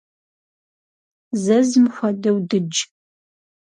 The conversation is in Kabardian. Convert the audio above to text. Зэзым хуэдэу дыдж.